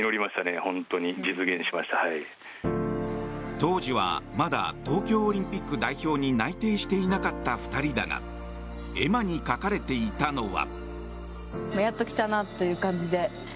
当時はまだ東京オリンピック代表に内定していなかった２人だが絵馬に書かれていたのは。